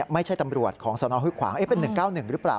ไม่ใช่ตำรวจของสนหุ้ยขวางเป็น๑๙๑หรือเปล่า